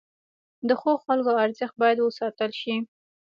د ښو خلکو ارزښت باید وساتل شي.